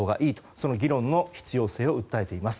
その議論の必要性を訴えています。